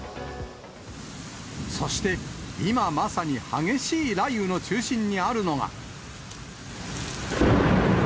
そして、今まさに激しい雷雨の中心にあるのが。